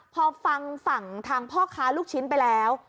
พอฟังฝั่งทางพ่อค้าลูกชิ้นไปแล้ว